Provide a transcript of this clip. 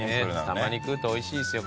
たまに食うとおいしいんですよ